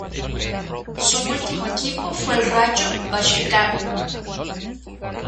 Su último equipo fue el Rayo Vallecano.